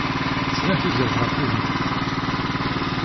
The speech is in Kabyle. Tettban tuzert ɣef udem-im.